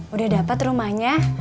udah dapet rumahnya